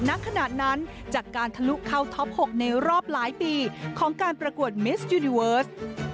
ณขณะนั้นจากการทะลุเข้าท็อป๖ในรอบหลายปีของการประกวดเมสยูนิเวิร์ส